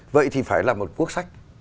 vậy thì phải là một quốc sách